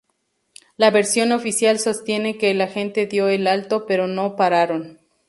La versión oficial sostiene que el agente dio el alto, pero no pararon.